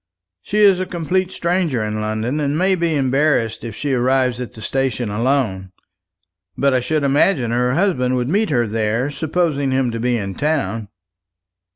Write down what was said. She is a complete stranger in London, and may be embarrassed if she arrives at the station alone. But I should imagine her husband would meet her there supposing him to be in town."